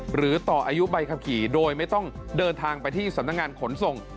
หรือต่ออายุใบขับขี่โดยไม่ต้องเดินทางไปที่สำนักงานขนส่ง